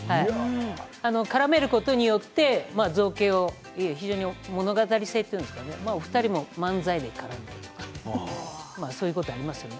絡めることによって造形を物語性というんですかねお二人も漫才にかけてそういうこともありますよね。